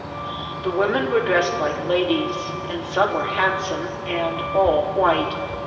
The women were dressed like ladies, and some were handsome, and all white.